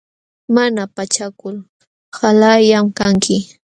Mana pachakul qalallam kanki.